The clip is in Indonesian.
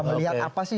kita lihat informasi